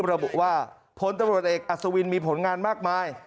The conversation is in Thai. บรรบุว่าพลตบริษัทเอกอสุวินมีผลงานมากมาย